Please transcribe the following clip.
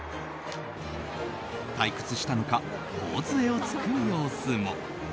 退屈したのか、頬杖を突く様子も。